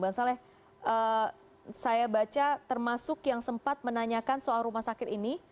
bang saleh saya baca termasuk yang sempat menanyakan soal rumah sakit ini